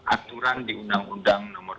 aturan di undang undang nomor tujuh belas